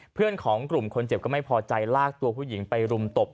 เพื่อนของกลุ่มคนเจ็บก็ไม่พอใจลากตัวผู้หญิงไปรุมตบ